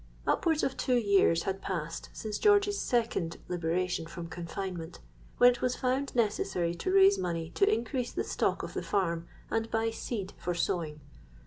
"Upwards of two years had passed since George's second liberation from confinement, when it was found necessary to raise money to increase the stock of the farm, and buy seed for sowing.